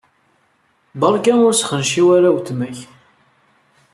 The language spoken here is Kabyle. Beṛka ur sxenciw ara weltma-k.